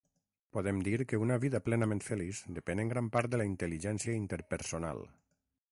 Podem dir que una vida plenament feliç depèn en gran part de la intel·ligència interpersonal.